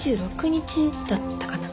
２６日だったかな。